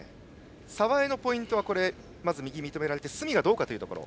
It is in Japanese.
澤江のポイントは右が認められて角がどうかというところ。